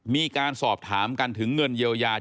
มีการสอบถามกันถึงเงินเยียวยา